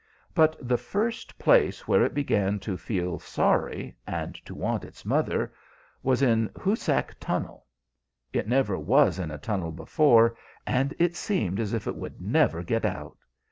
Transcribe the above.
But the first place where it began to feel sorry, and to want its mother, was in Hoosac Tunnel. It never was in a tunnel before, and it seemed as if it would never get out.